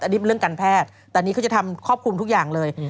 อันนี้เป็นเรื่องการแพทย์แต่นี่เขาจะทำครอบคลุมทุกอย่างเลย